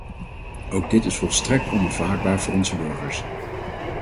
Ook dit is volstrekt onaanvaardbaar voor onze burgers.